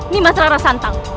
mimas rara santang